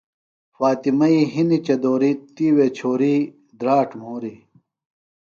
فاطمئی ہِنیۡ چدوریۡ، تِیوےۡ چھوری دھراڇ مُھوریۡ